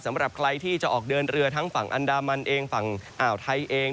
สำหรับใครที่จะออกเดินเรือทั้งฝั่งอันดามันเองฝั่งอ่าวไทยเอง